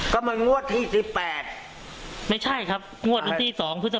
คุณตาถูกรางวัลที่สอง